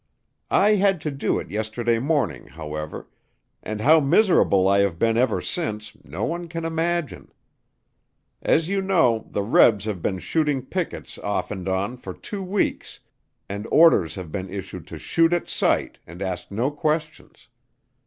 I had to do it yesterday morning, however, and how miserable I have been ever since, no one can imagine. As you know, the Rebs have been shooting pickets off and on, for two weeks, and orders have been issued to shoot at sight and ask no questions.